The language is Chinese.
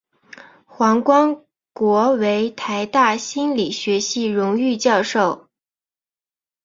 黄光国为台大心理学系荣誉教授。